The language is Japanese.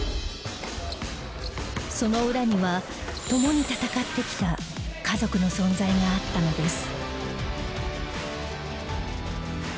その裏には共に戦ってきた家族の存在があったのです。